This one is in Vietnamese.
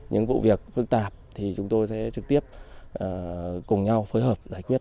những vụ việc phức tạp thì chúng tôi sẽ trực tiếp cùng nhau phối hợp giải quyết